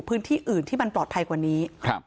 พื้นที่อื่นที่มันปลอดภัยกว่านี้